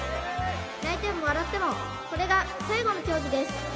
泣いても笑ってもこれが最後の競技です